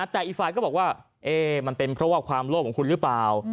แต่อีกฝ่ายก็บอกว่ามันเป็นเพราะว่าความโลภของคุณหรือเปล่า